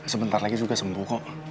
sebentar lagi juga sembuh kok